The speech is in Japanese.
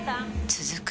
続く